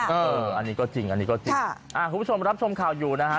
อันนี้ก็จริงอันนี้ก็จริงคุณผู้ชมรับชมข่าวอยู่นะฮะ